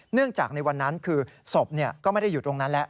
เนื่องจากในวันนั้นคือศพก็ไม่ได้อยู่ตรงนั้นแล้ว